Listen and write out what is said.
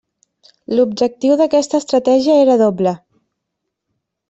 L'objectiu d'aquesta estratègia era doble.